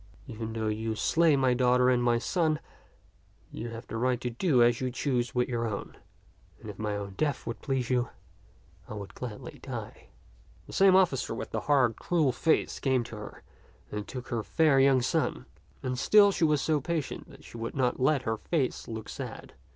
Even though you slay my daughter and my son, you have the right to do as you choose with your own ; and if my own death would please you, I would gladly die." The same officer with the hard, cruel face came to her and took her fair young son ; and still she was so patient that she would not let her face look sad.